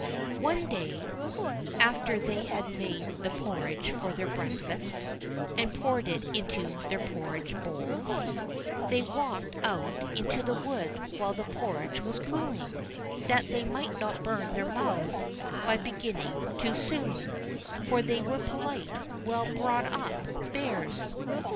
One day, after they had made the porridge for their break fast, and poured it into their porridge bowls, they walked out into the wood while the porridge was cooling, that they might not burn their mouths by beginning too soon, for they were polite, well brought up Bears.